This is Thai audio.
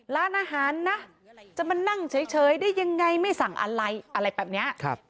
ร้านอาหารนะจะมานั่งเฉยได้ยังไงไม่สั่งอะไรอะไรแบบนี้